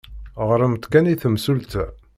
Ɣremt kan i temsulta.